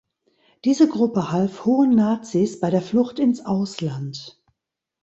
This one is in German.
Diese Gruppe half hohen Nazis bei der Flucht ins Ausland.